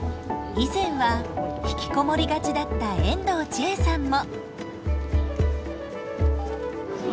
以前は引きこもりがちだった遠藤チエさんも。